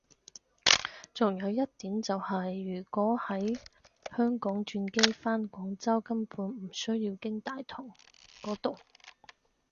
仲有一點就係如果喺香港轉機返廣州根本唔需要經大堂嗰度